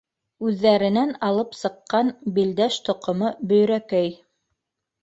Үҙҙәренән алып сыҡҡан Билдәш тоҡомо Бөйрәкәй...